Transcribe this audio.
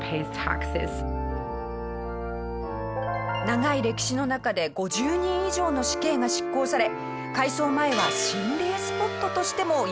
長い歴史の中で５０人以上の死刑が執行され改装前は心霊スポットとしても有名な場所だったそうです。